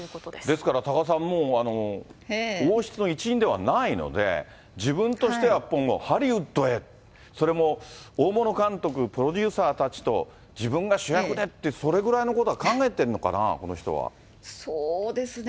ですから多賀さん、もう王室の一員ではないので、自分としては今後、ハリウッドへ、それも大物監督、プロデューサーたちと自分が主役でってそれぐらいのことは考えてそうですね。